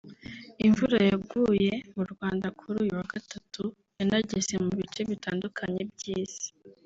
Imvura yaguye mu Rwanda kuri uyu wa Gatatu yanageze mu bice bitandukanye by’Isi